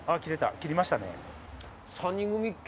切りましたね。